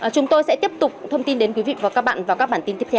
chúng tôi sẽ tiếp tục thông tin đến quý vị và các bạn vào các bản tin tiếp theo